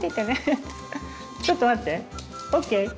ちょっと待って。